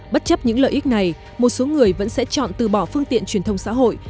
bất chấp những lợi ích này một số người vẫn sẽ chọn từ bỏ phương tiện truyền thông xã hội